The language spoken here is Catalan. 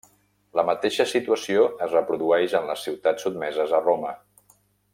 La mateixa situació es reprodueix en les ciutats sotmeses a Roma.